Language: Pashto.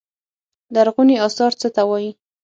لرغوني اثار څه ته وايي.